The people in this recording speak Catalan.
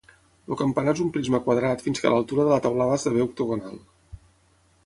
El campanar és un prisma quadrat fins que a l'altura de la teulada esdevé octogonal.